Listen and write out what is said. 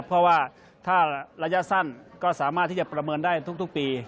เพราะว่าถ้าระยะสั้นก็สามารถที่จะประเมินได้ทุกปี